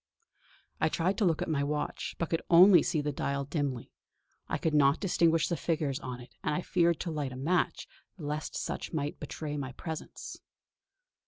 I tried to look at my watch, but could only see the dial dimly; I could not distinguish the figures on it and I feared to light a match lest such might betray my presence.